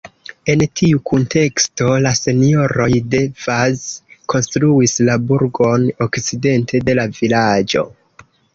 En tiu kunteksto la Senjoroj de Vaz konstruis la burgon okcidente de la vilaĝo.